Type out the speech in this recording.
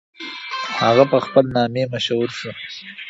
هغه په خپل نامې مشهور سو.